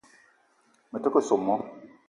Me ta ke soo moo